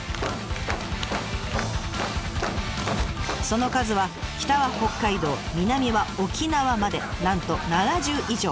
その数は北は北海道南は沖縄までなんと７０以上。